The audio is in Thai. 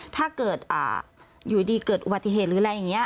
ถ้าเกิดอยู่ดีเกิดอุบัติเหตุหรืออะไรอย่างนี้